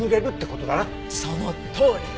そのとおり。